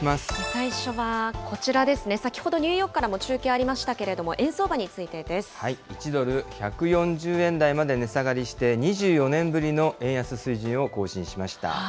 最初はこちらですね、先ほどニューヨークからも中継ありましたけれども、円相場につい１ドル１４０円台まで値下がりして、２４年ぶりの円安水準を更新しました。